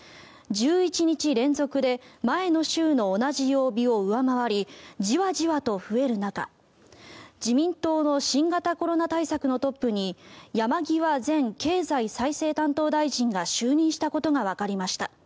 １１日連続で前の週の同じ曜日を上回りじわじわと増える中自民党の新型コロナ対策のトップに山際前経済再生担当大臣が就任したことがわかりました。